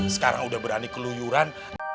sekarang udah berani keluyuran